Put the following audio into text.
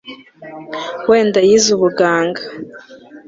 wenda yize ubuganga